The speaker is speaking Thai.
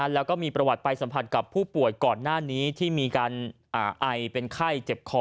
แล้วก็มีประวัติไปสัมผัสกับผู้ป่วยก่อนหน้านี้ที่มีการไอเป็นไข้เจ็บคอ